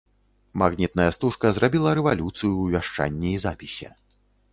Магнітная стужка зрабіла рэвалюцыю ў вяшчанні і запісе.